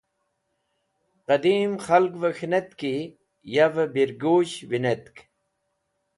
Qẽdim khalgvẽ k̃hẽnet ki yavẽ birgush winetk.